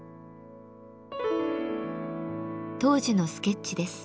当時のスケッチです。